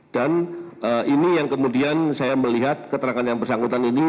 dan ini yang kemudian saya melihat keterangan yang bersangkutan ini